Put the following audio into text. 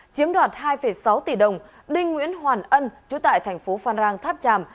chiếm đoạt hai sáu tỷ đồng đinh nguyễn hoàn ân chủ tại tp phan rang tháp tràm